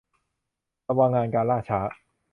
ระวังงานการล่าช้า